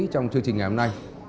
trong chương trình ngày hôm nay